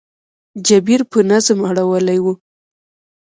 جبیر په نظم اړولې وه.